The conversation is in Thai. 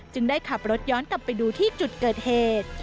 ได้ขับรถย้อนกลับไปดูที่จุดเกิดเหตุ